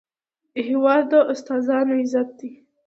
هېواد د استادانو عزت دی.